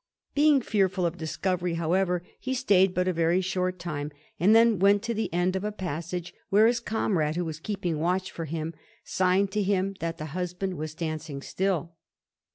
Being fearful of discovery, however, he stayed but a very short time, and then went to the end of a passage where his comrade, who was keeping watch for him, signed to him that the husband was dancing still.